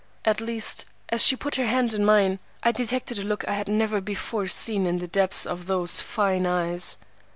At least, as she put her hand in mine, I detected a look I had never before seen in the depths of those fine eyes.